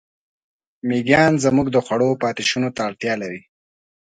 مېږیان زموږ د خوړو پاتېشونو ته اړتیا لري.